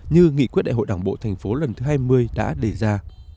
như nghị quyết đại hội đảng bộ thành phố lần thứ hai mươi đã đề ra